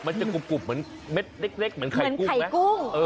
มันจะกรุบเหมือนเม็ดเล็กเหมือนไข่กุ้งไหม